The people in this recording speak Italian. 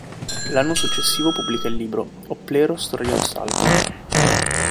L'anno successivo pubblica il libro "Opplero-storia di un salto".